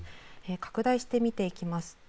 拡大して見ていきます。